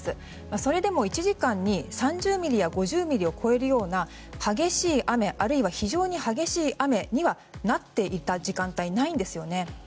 それでも１時間に３０ミリや５０ミリを超えるような激しい雨、あるいは非常に激しい雨になっていた時間帯はないんですよね。